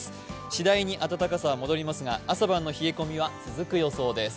しだいに暖かさは戻りますが朝晩の冷え込みは続くようです。